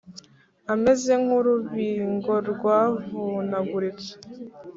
ameze nk’urubingo rwavunaguritse,